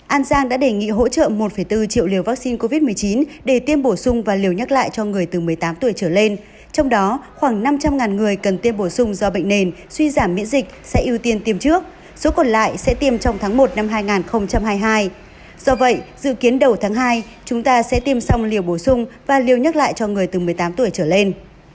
an giang đã đề nghị hỗ trợ một bốn triệu liều vaccine covid một mươi chín để tiêm bổ sung và liều nhắc lại cho người từ một mươi tám tuổi trở lên trong đó khoảng năm trăm linh người cần tiêm bổ sung do bệnh nền suy giảm miễn dịch sẽ ưu tiên tiêm trước số còn lại sẽ tiêm trong tháng một năm hai nghìn hai mươi hai do vậy dự kiến đầu tháng hai chúng ta sẽ tiêm xong liều bổ sung và liều nhắc lại cho người từ một mươi tám tuổi trở lên